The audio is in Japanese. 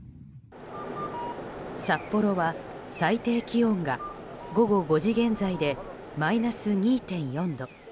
札幌は最低気温が午後５時現在でマイナス２．４度。